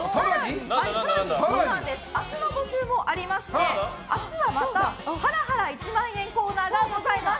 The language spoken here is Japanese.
更に、明日の募集もありまして明日はまた、ハラハラ１万円コーナーがございます。